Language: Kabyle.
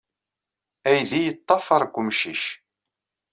Aydi yeddafaṛ deg emcic.